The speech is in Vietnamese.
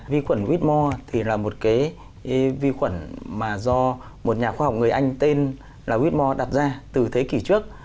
vi khuẩn whitmore thì là một cái vi khuẩn mà do một nhà khoa học người anh tên là whitmore đặt ra từ thế kỷ trước